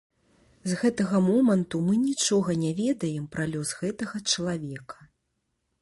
З гэтага моманту мы нічога не ведаем пра лёс гэтага чалавека.